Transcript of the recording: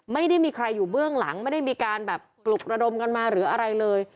ไม่ได้มีใครอยู่เบื้องหลังไม่ได้มีการแบบปลุกระดมกันมาหรืออะไรเลย